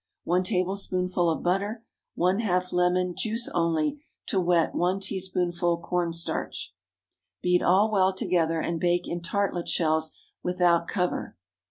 1 tablespoonful of butter. ½ lemon—juice only, to wet 1 teaspoonful corn starch. Beat all well together, and bake in tartlet shells without cover.